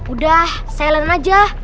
udah saya lenen aja